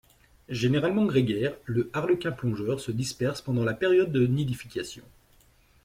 Généralement grégaire, le Arlequin plongeur se disperse pendant la période de nidification.